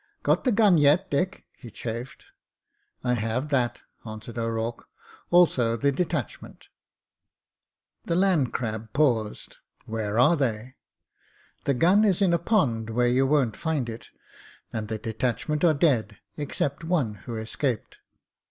"Got the gun yet, Dick?" he chaffed. "I have that," answered O'Rourke, "also the de tachment.." t€ 9 40 MEN, WOMEN AND GUNS The Land Crab paused. "Where are they?" "The gun is in a pond where you won't find it, and the detachment are dead — except one who escaped."